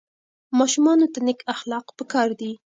ماشومانو ته نیک اخلاق په کار دي.